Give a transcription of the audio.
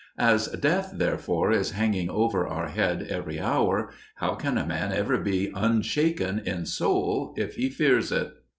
As death, therefore, is hanging over our head every hour, how can a man ever be unshaken in soul if he fears it?